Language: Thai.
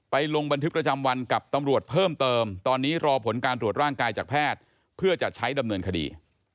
ลงบันทึกประจำวันกับตำรวจเพิ่มเติมตอนนี้รอผลการตรวจร่างกายจากแพทย์เพื่อจะใช้ดำเนินคดี